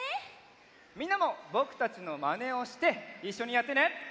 みんなもぼくたちのまねをしていっしょにやってね！